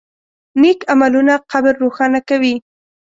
نیک عملونه قبر روښانه کوي.